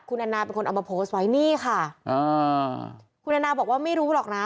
คุณแอนนาเป็นคนเอามาโพสต์ไว้นี่ค่ะอ่าคุณแอนนาบอกว่าไม่รู้หรอกนะ